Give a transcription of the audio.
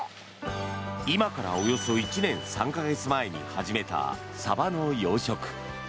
今からおよそ１年３か月前に始めたサバの養殖。